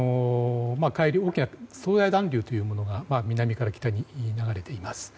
海流、暖流というものが南から北に流れています。